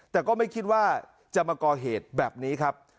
แต่ก็ไม่คิดว่าจะมาก่อเหตุแบบนี้ครับ